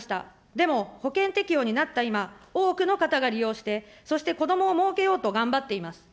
でも、保険適用になった今、多くの方が利用して、そして子どもをもうけようと頑張っています。